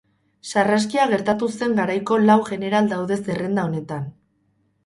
Sarraskia gertatu zen garaiko lau jeneral daude zerrenda honetan.